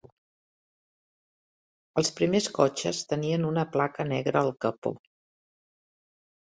Els primers cotxes tenien una placa negra al capó.